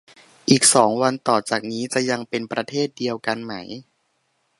อีกสองวันต่อจากนี้จะยังเป็นประเทศเดียวกันไหม